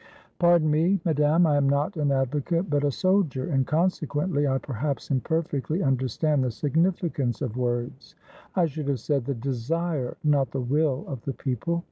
"Pardon me, Madame, I am not an advocate, but a soldier; and consequently I perhaps imperfectly under stand the significance of words. I should have said the desire, not the will, of the people.